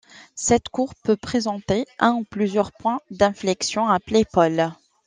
Cette courbe peut présenter un ou plusieurs points d'inflexion, appelés pôles.